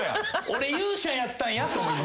俺勇者やったんやと思います。